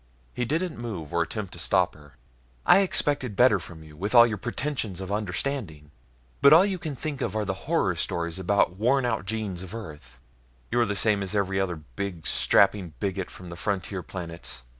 He didn't move or attempt to stop her. "I expected better from you, with all your pretensions of understanding. But all you can think of are the horror stories about the worn out genes of Earth. You're the same as every other big, strapping bigot from the frontier planets.